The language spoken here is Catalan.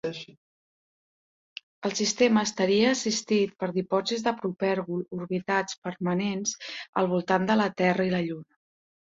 El sistema estaria assistit per dipòsits de propergol orbitals permanents al voltant de la Terra i la Lluna.